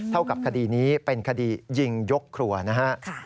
เท่ากับคดีนี้เป็นคดียิงยกครัวนะฮะ